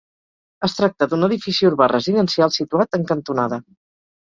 Es tracta d'un edifici urbà residencial situat en cantonada.